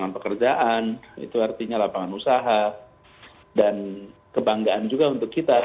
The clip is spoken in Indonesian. lapangan pekerjaan itu artinya lapangan usaha dan kebanggaan juga untuk kita